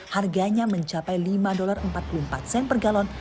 harganya mencapai lima empat puluh empat sen per galon